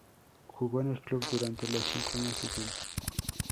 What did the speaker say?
Jugó en el club durante los cinco años siguientes.